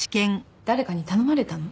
誰かに頼まれたの？